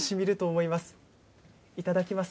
いただきます。